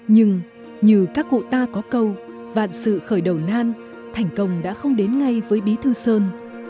nhưng như các cụ ta có câu vạn sự khởi đầu nan thành công đã không đến ngay với bí thư sơn